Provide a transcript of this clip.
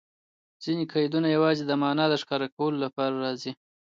ځیني قیدونه یوازي د مانا د ښکاره کولو له پاره راځي.